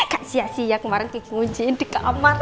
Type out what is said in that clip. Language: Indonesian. kak sia sia kemarin kikungjiin di kamar